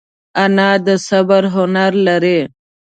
انا د صبر هنر لري